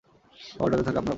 সবার নজর থাকবে আপনার উপর।